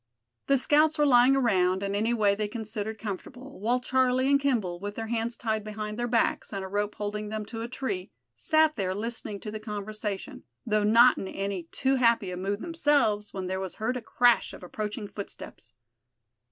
The scouts were lying around in any way they considered comfortable, while Charlie and Kimball, with their hands tied behind their backs, and a rope holding them to a tree, sat there, listening to the conversation, though not in any too happy a mood themselves, when there was heard the crash of approaching footsteps.